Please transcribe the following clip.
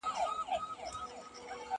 نیمروز ولایت تر ډېره دښته او ګرمه هوا لري.